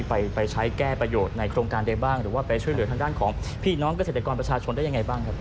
ไปใช้แก้ประโยชน์ในโครงการใดบ้างหรือว่าไปช่วยเหลือทางด้านของพี่น้องเกษตรกรประชาชนได้ยังไงบ้างครับ